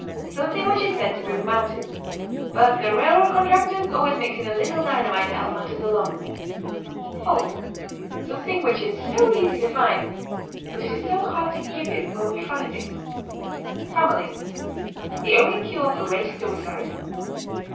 Something which is said to move mountains, but the railroad contractors always mix in a little dynamite to help matters along. FAULT. Something which is so easy to find, but it is so hard to give it when we find it. FAMILY. The only cure for race suicide.